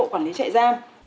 để chạy ra